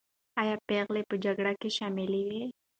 آیا پېغلې په جګړه کې شاملي وې؟